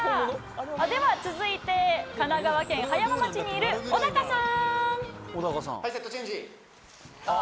では続いて神奈川県葉山町にいる小さん！